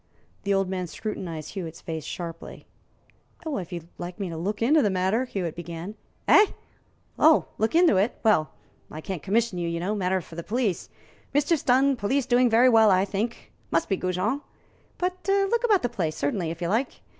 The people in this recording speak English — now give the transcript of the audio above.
The old man scrutinized Hewitt's face sharply. "If you'd like me to look into the matter " Hewitt began. "Eh? Oh, look into it! Well, I can't commission you, you know matter for the police. Mischief's done. Police doing very well, I think must be Goujon. But look about the place, certainly, if you like.